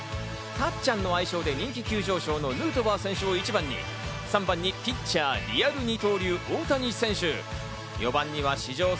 たっちゃんの愛称で人気急上昇のヌートバー選手を１番に、３番にピッチャーは二刀流・大谷選手。